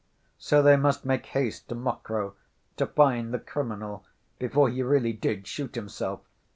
So they must make haste to Mokroe to find the criminal, before he really did shoot himself.